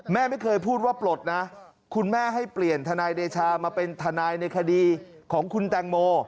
แม่ไม่เคยพูดว่าปลดนะคุณแม่ให้เปลี่ยนทนายเดชามาเป็นทนายในคดีของคุณแตงโม